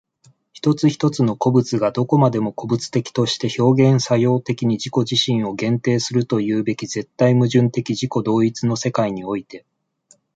一々の個物がどこまでも個物的として表現作用的に自己自身を限定するというべき絶対矛盾的自己同一の世界において、